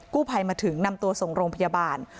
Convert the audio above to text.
ภัยมาถึงนำตัวส่งโรงพยาบาล